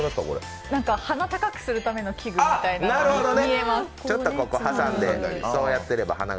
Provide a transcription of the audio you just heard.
鼻を高くするための器具みたいに見えます。